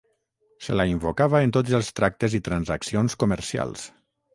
Se la invocava en tots els tractes i transaccions comercials.